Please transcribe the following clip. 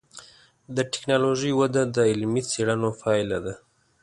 د ټکنالوجۍ وده د علمي څېړنو پایله ده.